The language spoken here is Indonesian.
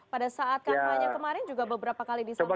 pada saat kampanye kemarin juga beberapa kali disandai kan